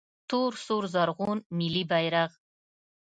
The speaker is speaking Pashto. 🇦🇫 تور سور زرغون ملي بیرغ